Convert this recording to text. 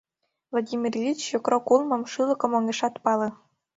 Владимир Ильич йокрок улмым, шӱлыкым огешат пале.